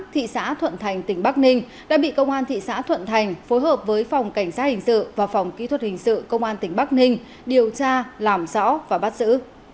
thị xã thuận thành tỉnh bắc ninh đã bị công an thị xã thuận thành phối hợp với phòng cảnh sát hình sự và phòng kỹ thuật hình sự công an tỉnh bắc ninh điều tra làm rõ và bắt giữ